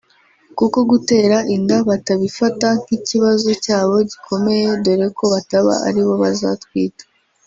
kuko gutera inda batabifata nk’ikibazo cyabo gikomeye dore ko bataba ari bo bazatwita